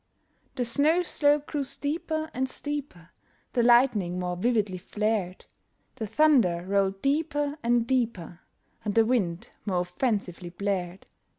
The snow slope grew steeper and steeper; The lightning more vividly flared; The thunder rolled deeper and deeper; And the wind more offensively blared.